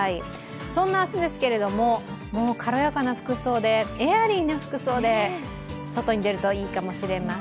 そんな明日ですけれども、軽やかな服装で、エアリーな服装で外に出るといいかもしれません。